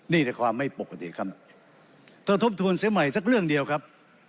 นี่แต่ความไม่ปกติครับถ้าทบทวนเสียใหม่สักเรื่องเดียวครับ